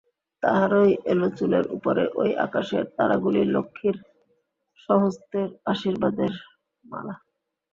তাহারই এলোচুলের উপরে ঐ আকাশের তারাগুলি লক্ষীর স্বহস্তের আর্শীবাদের মালা।